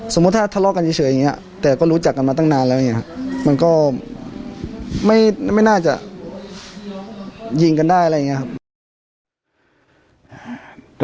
สมมุติถ้าทะเลาะกันเฉยแต่ก็รู้จักกันมาตั้งนานแล้วไงครับมันก็ไม่น่าจะยิงกันได้อะไรอย่างเงี้ยครับ